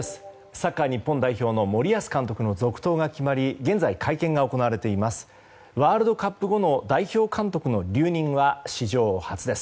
サッカー日本代表の森保監督の続投が決まり現在、会見が行われています。